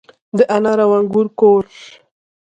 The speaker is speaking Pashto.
د انار او انګور کور.